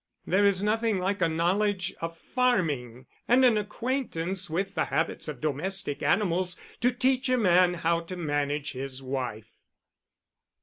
There is nothing like a knowledge of farming, and an acquaintance with the habits of domestic animals, to teach a man how to manage his wife.